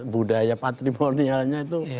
budaya patrimonialnya itu